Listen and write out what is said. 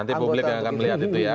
nanti publik yang akan melihat itu ya